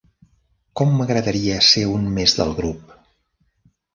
Com m'agradaria ser un més del grup!